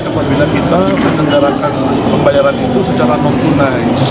kalau bila kita menggarakkan pembayaran itu secara non tunai